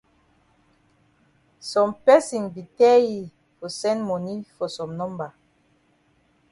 Some person be tell yi for send moni for some number.